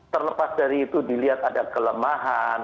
terlepas dari itu dilihat ada kelemahan